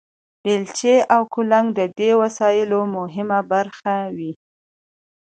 بیلچې او کلنګ د دې وسایلو مهمې برخې وې.